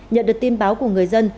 nhận được tin báo của người dân